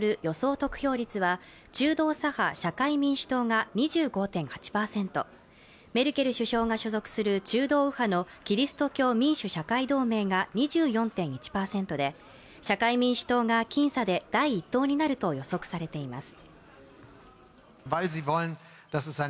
得票率は中道左派・社会民主党が２５．８％、メルケル首相が所属する中道右派のキリスト教民主・社会同盟が２４．１％で、社会民主党が僅差で第一党になると予測されています。